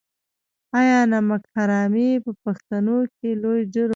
آیا نمک حرامي په پښتنو کې لوی جرم نه دی؟